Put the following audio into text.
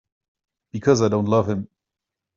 Because I don't love him.